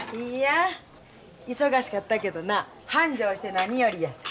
いいや忙しかったけどな繁盛して何よりや。